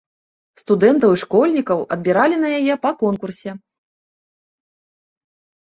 Студэнтаў і школьнікаў адбіралі на яе па конкурсе.